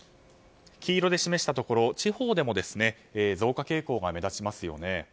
黄色で示したところ、地方でも増加傾向が目立ちますよね。